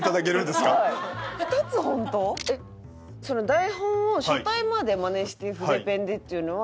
えっその台本を書体までマネして筆ペンでっていうのは。